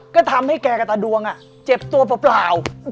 ก็ทำให้แกกับตาดวงเจ็บตัวเปล่า